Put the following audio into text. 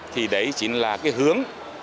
thì đấy chính là cái hướng